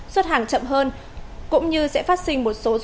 xuất hàng chậm hơn